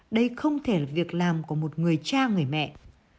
đây không thể là việc làm của một người cha người mẹ